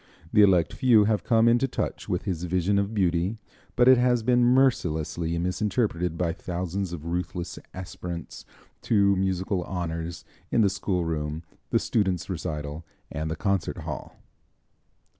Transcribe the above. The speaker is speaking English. The elect few have come into touch with his vision of beauty, but it has been mercilessly misinterpreted by thousands of ruthless aspirants to musical honors, in the schoolroom, the students' recital and the concert hall.